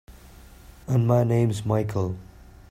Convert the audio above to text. And my name's Michael.